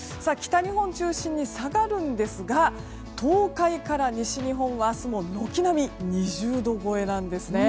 北日本中心に下がりますが東海から西日本は明日も軒並み２０度超えなんです。